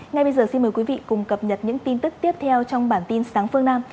ngay bây giờ xin mời quý vị cùng cập nhật những tin tức tiếp theo trong bản tin sáng phương nam